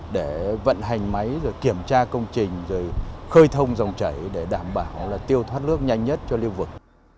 để vận hành máy rồi kiểm tra công trình rồi khơi thông dòng chảy để đảm bảo tiêu thoát nước nhanh nhất cho lưu vực